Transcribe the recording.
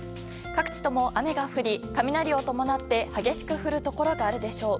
各地とも雨が降り、雷を伴って激しく降るところがあるでしょう。